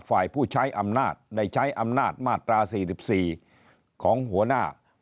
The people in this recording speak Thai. ฝ่ายผู้ใช้อำนาจได้ใช้อำนาจมาตรา๔๔ของหัวหน้า